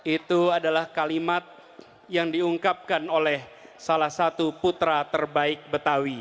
itu adalah kalimat yang diungkapkan oleh salah satu putra terbaik betawi